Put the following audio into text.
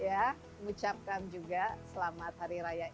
saya harapkan juga selamat hari raya